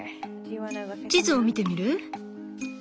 地図を見てみる？